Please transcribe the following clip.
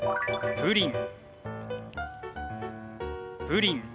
プリン。